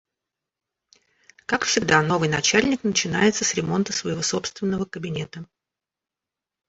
Как всегда, новый начальник начинается с ремонта своего собственного кабинета.